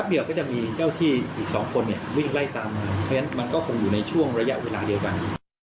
เพราะฉะนั้นมันก็คงอยู่ในช่วงระยะเวลาเดียวกัน